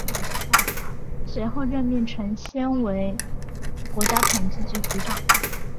随后任命陈先为国家统计局局长。